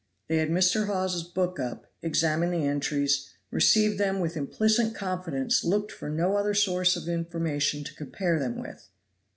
They had Mr. Hawes's book up examined the entries received them with implicit confidence looked for no other source of information to compare them with.